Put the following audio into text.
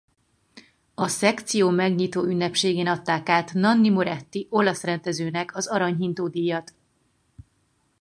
A szekció megnyitóünnepségén adták át Nanni Moretti olasz rendezőnek az Arany Hintó díjat.